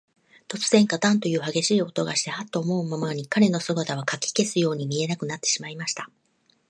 とつぜん、ガタンというはげしい音がして、ハッと思うまに、彼の姿は、かき消すように見えなくなってしまいました。